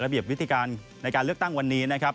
ระเบียบวิธีการในการเลือกตั้งวันนี้